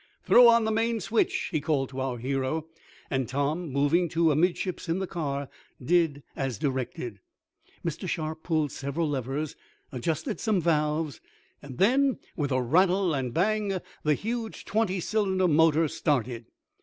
"Throw on the main switch," he called to our hero, and Tom, moving to amidships in the car, did as directed. Mr. Sharp pulled several levers, adjusted some valves, and then, with a rattle and bang, the huge, twenty cylinder motor started.